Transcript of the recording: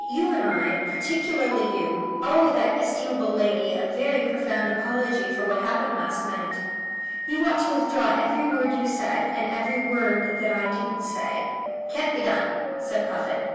"You and I, particularly you, owe that estimable lady a very profound apology for what happened last night. You ought to withdraw every word you said, and I every word that I didn't say." "Can't be done," said Puffin.